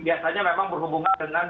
biasanya memang berhubungan dengan